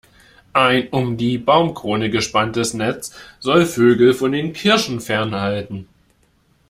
Ein um die Baumkrone gespanntes Netz soll Vögel von den Kirschen fernhalten.